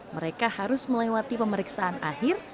mereka harus melewati pemeriksaan akhir